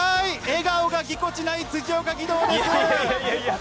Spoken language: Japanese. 笑顔がぎこちない、辻岡義堂です！